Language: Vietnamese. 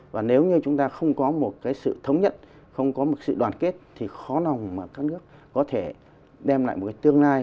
và nếu như chúng ta không có một cái sự thống nhất không có một sự đoàn kết thì khó lòng mà các nước có thể đem lại một cái tương lai